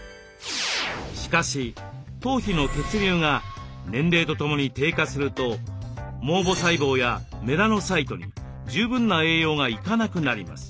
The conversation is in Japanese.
しかし頭皮の血流が年齢とともに低下すると毛母細胞やメラノサイトに十分な栄養が行かなくなります。